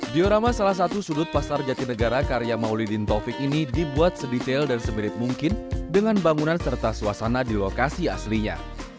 diorama salah satu sudut pasar jatinegara karya maulidin taufik ini dibuat sedetail dan seberit mungkin dengan bangunan serta suasana di lokasi aslinya